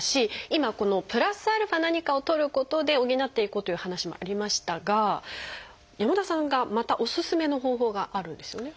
今このプラスアルファ何かをとることで補っていこうという話もありましたが山田さんがまたおすすめの方法があるんですよね。